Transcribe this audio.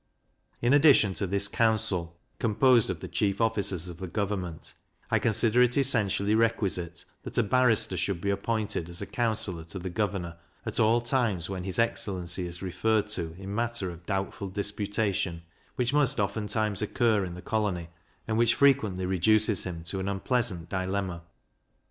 In addition to this council composed of the chief officers of the government, I consider it essentially requisite that a barrister should be appointed as a counsellor to the governor, at all times when his excellency is referred to in matter of doubtful disputation, which must oftentimes occur in the colony, and which frequently reduces him to an unpleasant dilemma.